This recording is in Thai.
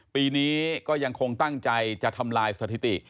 ปีนี้ก็ยังคงตั้งใจจะทำลายสถิติ